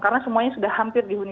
karena semuanya sudah hampir dihuni